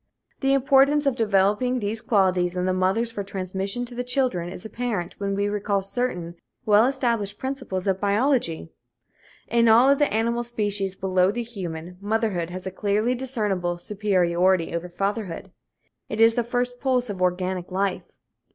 The importance of developing these qualities in the mothers for transmission to the children is apparent when we recall certain well established principles of biology. In all of the animal species below the human, motherhood has a clearly discernible superiority over fatherhood. It is the first pulse of organic life.